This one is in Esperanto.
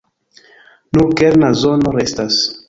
Nur kerna zono restas.